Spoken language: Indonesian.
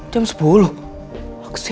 jam berapa nih